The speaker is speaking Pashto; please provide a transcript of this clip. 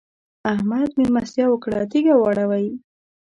احمد؛ مېلمستيا وکړه - تيږه واړوئ.